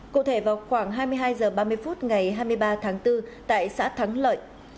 cụ thể vào khoảng hai mươi hai h ba mươi phút ngày hai mươi ba tháng bốn tại xã thắng lợi